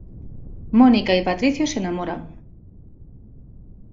Mónica y Patricio se enamoran.